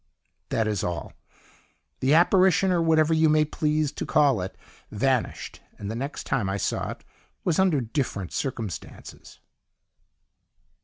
"That is all. The apparition, or whatever you may please to call it, vanished, and the next time I saw it was under different circumstances."